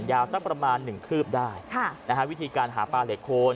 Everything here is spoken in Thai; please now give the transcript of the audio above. ยาวสักประมาณหนึ่งคืบได้วิธีการหาปลาเหล็กคน